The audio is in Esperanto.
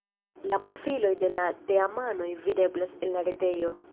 La profiloj de la teamanoj videblas en la retejo.